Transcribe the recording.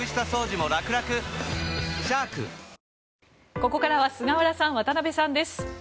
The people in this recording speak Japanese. ここからは菅原さん、渡辺さんです。